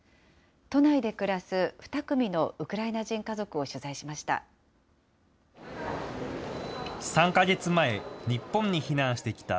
都内で暮らす２組のウクライナ人家族を取材しました。